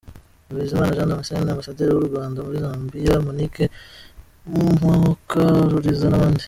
Bizimana Jean Damascène; Ambasaderi w’u Rwanda muri Zambia, Monique Mukaruliza n’abandi.